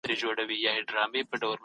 د اداري اصلاحاتو ضرورت شتون لري.